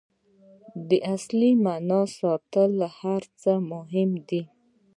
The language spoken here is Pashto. د اصلي معنا ساتل تر هر څه مهم دي.